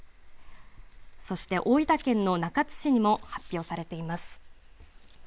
そして大分県の中津市にも発表されています。